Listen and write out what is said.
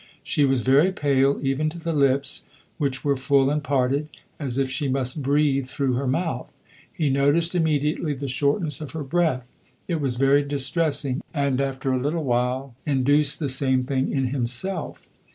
She was very pale, even to the lips, which were full and parted, as if she must breathe through her mouth. He noticed immediately the shortness of her breath. It was very distressing, and after a little while induced the same thing in himself.